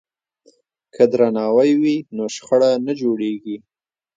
که درناوی وي نو شخړه نه جوړیږي.